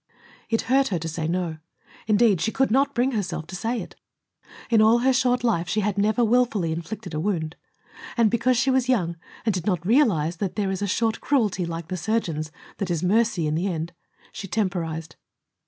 It hurt her to say no. Indeed, she could not bring herself to say it. In all her short life she had never willfully inflicted a wound. And because she was young, and did not realize that there is a short cruelty, like the surgeon's, that is mercy in the end, she temporized.